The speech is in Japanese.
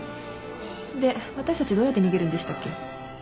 で私たちどうやって逃げるんでしたっけ？